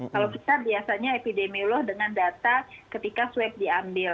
kalau kita biasanya epidemiolog dengan data ketika swab diambil